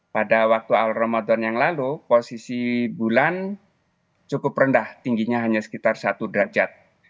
pada waktu awal ramadan yang lalu posisi bulan cukup rendah tingginya hanya sekitar satu derajat